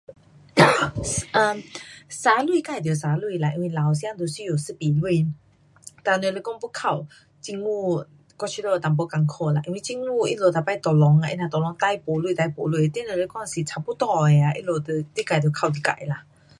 um 省钱自得省钱啦，因为老的时间得需要一笔钱，dan 若是要靠政府，我觉得有一点困苦啦，因为政府他们每次 tolong 的，他们 tolong 最没钱，最没钱，你若讲差不多的啊，他们就，你自得靠你自。